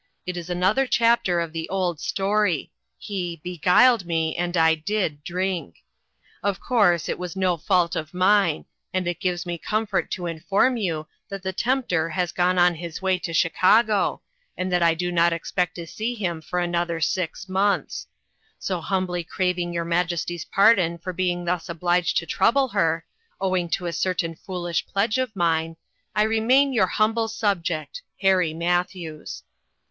It is another chapter of the old story he * beguiled me and I did ' drink. Of course it was no fault of mine ; and it gives me comfort to inform you that the tempter has ONE OF THE VICTIMS. 321 gone on his way to Chicago, and that I do not expect to see him for another six months. So humbly craving your majesty's pardon for being thus obliged to trouble her owing to a certain foolish pledge of mine I remain your humble subject. " HARRY MATTHEWS."